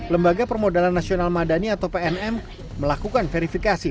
lembaga permodalan nasional madani atau pnm melakukan verifikasi